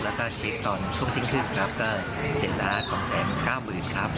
และก็เช็คตอนชั่วประหว่างทิ้งครึ่งครับก็๗๒๙๙๐๐๐ครับ